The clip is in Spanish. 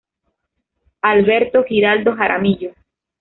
Alberto Giraldo Jaramillo.